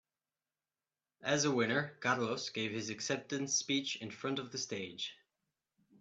As a winner, Carlos give his acceptance speech in front of the stage.